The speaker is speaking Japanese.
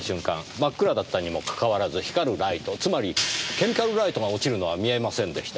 真っ暗だったにもかかわらず光るライトつまりケミカルライトが落ちるのは見えませんでした。